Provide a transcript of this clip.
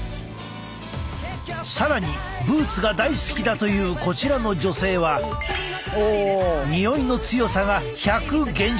更にブーツが大好きだというこちらの女性はにおいの強さが１００減少！